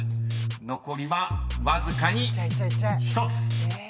［残りはわずかに１つ］え？